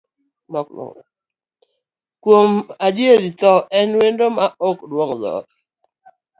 Kuom adier, thoo en wendo maok duong' dhoot.